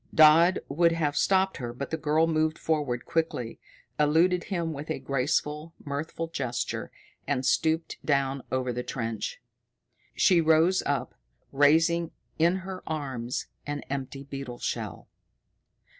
Dodd would have stopped her, but the girl moved forward quickly, eluded him with a graceful, mirthful gesture, and stooped down over the trench. She rose up, raising in her arms an empty beetle shell!